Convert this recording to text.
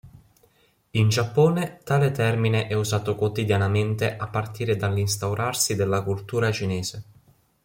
In Giappone, tale termine è usato quotidianamente a partire dall'instaurarsi della cultura cinese.